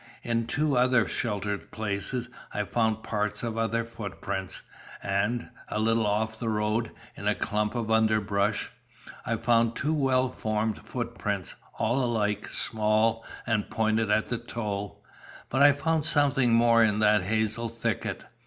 In two other sheltered places I found parts of other footprints, and, a little off the road, in a clump of underbrush, I found two well formed footprints, all alike, small, and pointed at the toe. But I found something more in that hazel thicket.